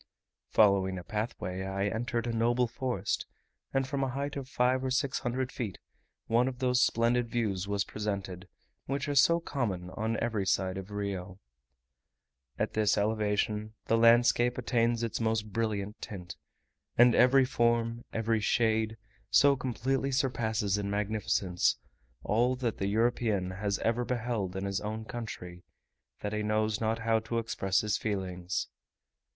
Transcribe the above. Following a pathway, I entered a noble forest, and from a height of five or six hundred feet, one of those splendid views was presented, which are so common on every side of Rio. At this elevation the landscape attains its most brilliant tint; and every form, every shade, so completely surpasses in magnificence all that the European has ever beheld in his own country, that he knows not how to express his feelings.